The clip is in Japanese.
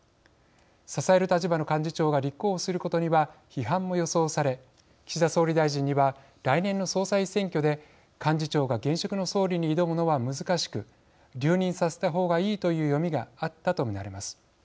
支える立場の幹事長が立候補することには批判も予想され岸田総理大臣には来年の総裁選挙で幹事長が現職の総理に挑むのは難しく留任させた方がいいという読みがあったと見られます。